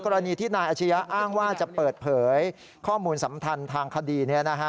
กรณีที่นายอาชียะอ้างว่าจะเปิดเผยข้อมูลสำคัญทางคดี